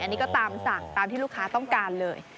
อันนี้ก็ตามสั่งตามที่ลูกค้าต้องการเลย